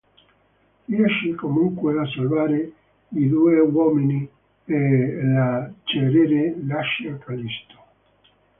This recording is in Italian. Riesce comunque a salvare i due uomini e la "Cerere" lascia Callisto.